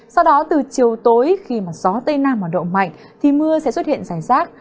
sau đó từ chiều tối khi gió tây nam mở độ mạnh thì mưa sẽ xuất hiện rải rác